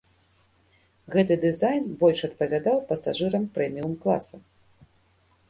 Гэты дызайн больш адпавядаў пасажырам прэміум-класа.